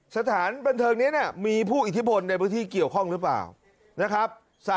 สถานบันเทิงนี้มีผู้อิทธิพลในพื้นที่เกี่ยวข้องหรือเปล่านะครับ